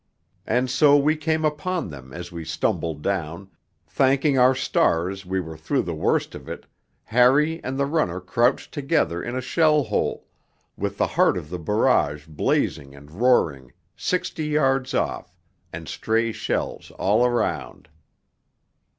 And so we came upon them as we stumbled down, thanking our stars we were through the worst of it, Harry and the runner crouched together in a shell hole, with the heart of the barrage blazing and roaring sixty yards off, and stray shells all round.